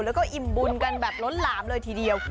แล้วก็อิ่มบุญกันแบบล้นหลามเลยทีเดียว